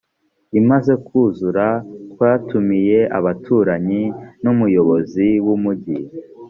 imaze kuzura twatumiye abaturanyi n umuyobozi w umugi